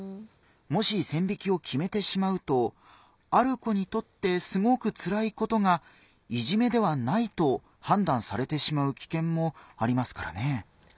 もし線引きを決めてしまうとある子にとってすごくつらいことがいじめではないと判断されてしまう危険もありますからね。